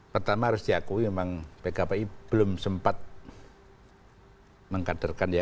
pertama harus diakui memang pkpi belum sempat mengkaderkan ya